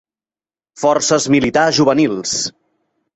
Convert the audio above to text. Forces Militars Juvenils